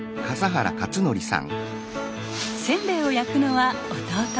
せんべいを焼くのは弟。